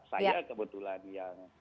saya kebetulan yang